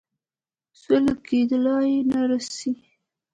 سوله کېدلای نه سي.